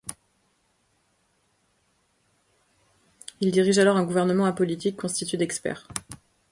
Il dirige alors un gouvernement apolitique, constitué d'experts.